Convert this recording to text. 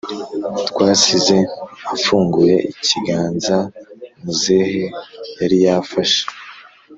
twasize afunguye ikiganza muzehe yariyafashe